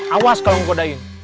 awas kalau menggodaimu